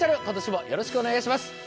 今年もよろしくお願いします。